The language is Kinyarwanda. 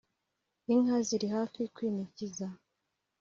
Inka ziri hafi kwinikiza